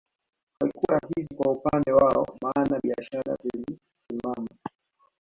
Haikuwa rahisi kwa upande wao maana biashara zilisimama